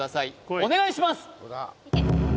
お願いします